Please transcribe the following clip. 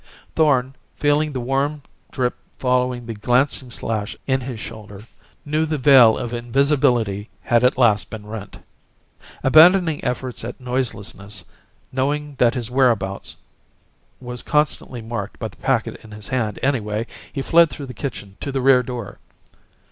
Thorn, feeling the warm drip following the glancing slash in his shoulder, knew the veil of invisibility had at last been rent. Abandoning efforts at noiselessness, knowing that his whereabouts was constantly marked by the packet in his hand, anyway, he fled through the kitchen to the rear door.